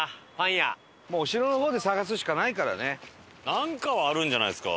なんかはあるんじゃないですか